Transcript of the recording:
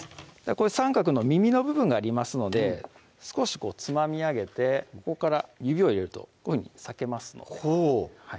三角の耳の部分がありますので少しつまみ上げてここから指を入れるとこういうふうに裂けますのでほう